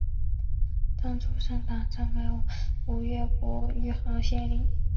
曾祖盛珰曾为吴越国余杭县令。